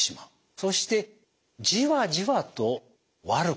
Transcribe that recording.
そしてじわじわと悪くなってる。